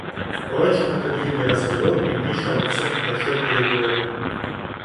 Впрочем, это длинный разговор, и мы еще обо всем хорошо переговорим.